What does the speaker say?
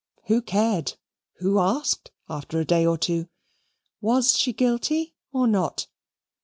Who cared! Who asked after a day or two? Was she guilty or not?